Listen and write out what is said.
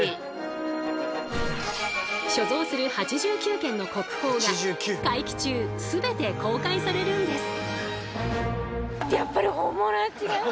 所蔵する８９件の国宝が会期中すべて公開されるんです！